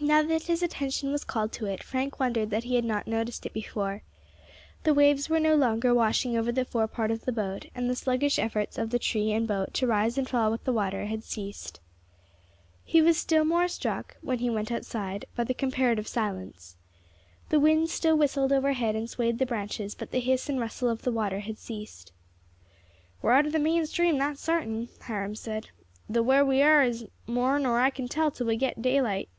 Now that his attention was called to it, Frank wondered that he had not noticed it before. The waves were no longer washing over the fore part of the boat, and the sluggish efforts of the tree and boat to rise and fall with the water had ceased. He was still more struck, when he went outside, by the comparative silence. The wind still whistled overhead and swayed the branches, but the hiss and rustle of the water had ceased. "We are out of the main stream, that's sartin," Hiram said, "though where we are is more nor I can tell till we get daylight."